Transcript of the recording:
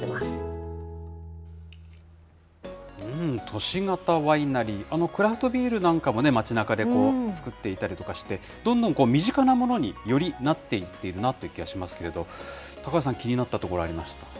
都市型ワイナリー、クラフトビールなんかも街なかで造っていたりとかして、どんどん身近なものによりなっていっているなって気がしますけど、高橋さん、気になったところありました？